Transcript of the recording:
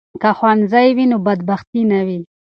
که ښوونځی وي نو بدبختي نه وي.